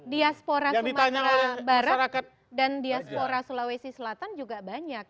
diaspora sumatera barat dan diaspora sulawesi selatan juga banyak